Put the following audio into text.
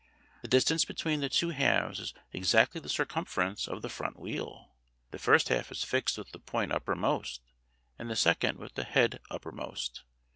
The distance between the two halves is exactly the circumference of the front wheel. The first half is fixed with the point uppermost, and the second with the head uppermost.